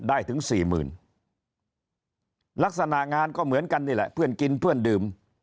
ถึงสี่หมื่นลักษณะงานก็เหมือนกันนี่แหละเพื่อนกินเพื่อนดื่ม